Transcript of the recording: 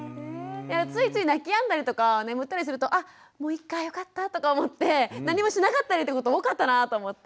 ついつい泣きやんだりとか眠ったりするとあもういっかよかったとか思って何もしなかったりってこと多かったなと思って。